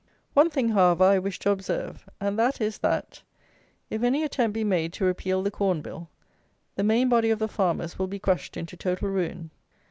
One thing, however, I wish to observe, and that is, that, if any attempt be made to repeal the Corn Bill, the main body of the farmers will be crushed into total ruin.